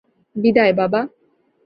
বিদায়, বাবা।